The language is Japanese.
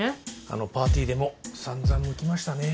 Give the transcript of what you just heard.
あのパーティーでも散々むきましたね。